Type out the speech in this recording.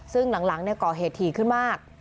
ซึ่งหลังก่อเหตุถี่ขึ้นมาก